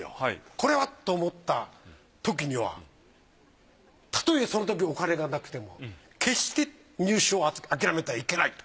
これは！と思ったときにはたとえそのときお金がなくても決して入手を諦めてはいけないと。